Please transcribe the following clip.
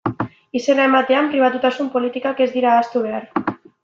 Izena ematean, pribatutasun politikak ez dira ahaztu behar.